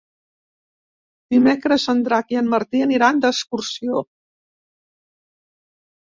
Dimecres en Drac i en Martí aniran d'excursió.